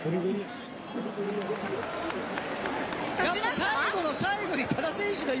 最後の最後に多田選手が今。